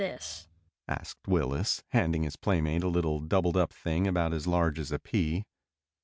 asked Willis, handing his playmate a little doubled up thing about as large as a pea.